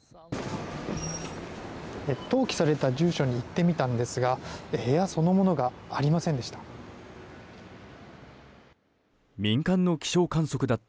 登記された住所に行ってみたんですが部屋そのものがありませんでした。